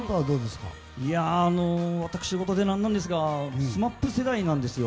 私事ですがＳＭＡＰ世代なんですよ。